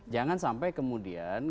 jangan sampai kemudian